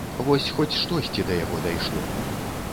Вось, хоць штосьці да яго дайшло.